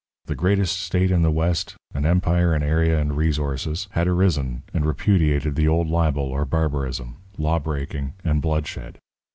The greatest state in the West, an empire in area and resources, had arisen and repudiated the old libel or barbarism, lawbreaking, and bloodshed.